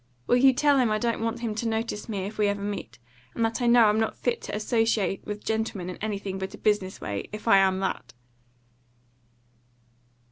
Will you tell him I don't want him to notice me if we ever meet, and that I know I'm not fit to associate with gentlemen in anything but a business way, if I am that?"